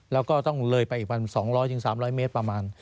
แล้วก็ต้องเลยไปอีก๑๒๐๐๓๐๐เมตรประมาณ